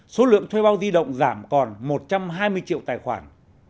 số lượng thuê bao di động giảm còn một trăm hai mươi triệu tài khoản